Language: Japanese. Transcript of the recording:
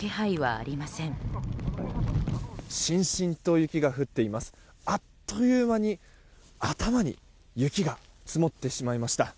あっという間に頭に雪が積もってしまいました。